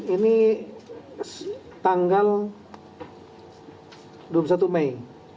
ini tanggal dua puluh satu mei